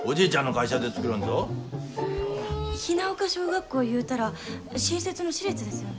雛丘小学校いうたら新設の市立ですよね？